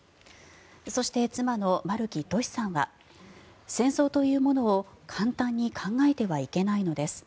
そして妻の丸木俊さんは戦争というものを簡単に考えてはいけないのです